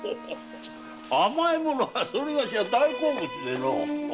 甘いものはそれがしの大好物でのう。